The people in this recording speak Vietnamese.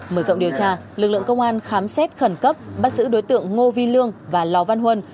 mở rộng điều tra lực lượng công an khám xét khẩn cấp bắt giữ đối tượng ngô vi lương và lò văn huân